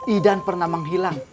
idan pernah menghilang